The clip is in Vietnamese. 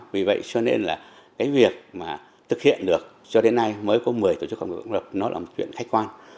vì vậy cho nên là cái việc mà thực hiện được cho đến nay mới có một mươi tổ chức công nghiệp công lập nó là một chuyện khách quan